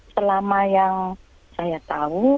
selama yang saya tahu